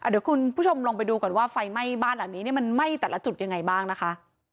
เดี๋ยวคุณผู้ชมลองไปดูก่อนว่าไฟไหม้บ้านหลังนี้มันไหม้แต่ละจุดยังไงบ้างนะคะ